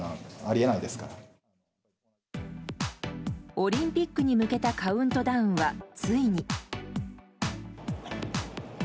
オリンピックに向けたカウントダウンはついに。